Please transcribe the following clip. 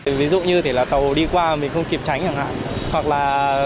nhìn tàu tàu có qua không mấy cả